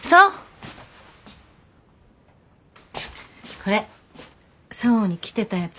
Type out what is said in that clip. これ想に来てたやつ。